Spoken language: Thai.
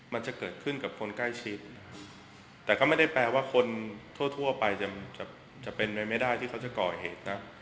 มันจะเกิดขึ้นกับคนใกล้ชิดแต่ก็ไม่ได้แปลว่าคนทั่วไปจะเป็นไปไม่ได้ที่เขาจะก่อเหตุนะ